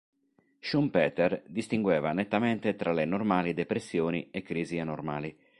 Schumpeter distingueva nettamente tra le normali depressioni e crisi anormali.